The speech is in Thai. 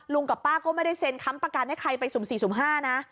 กับป้าก็ไม่ได้เซ็นค้ำประกันให้ใครไปสุ่ม๔สุ่ม๕นะ